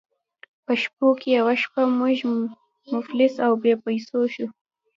په شپو کې یوه شپه موږ مفلس او بې پیسو شوو.